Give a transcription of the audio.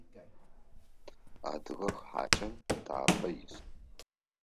Адыгэ хьакӏэ пытапӏэ ис.